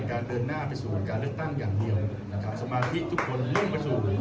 เดินหน้าไปสู่การเลือกตั้งอย่างเดียวนะครับสมาธิทุกคนเร่งไปสู่